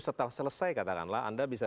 setelah selesai katakanlah anda bisa